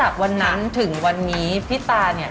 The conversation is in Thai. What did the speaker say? การที่บูชาเทพสามองค์มันทำให้ร้านประสบความสำเร็จ